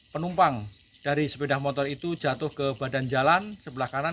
penumpang dari sepeda motor itu jatuh ke badan jalan sebelah kanan